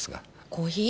コーヒー？